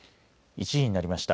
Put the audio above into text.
１時になりました。